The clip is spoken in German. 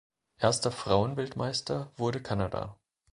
Erster Frauen-Weltmeister wurde Kanada.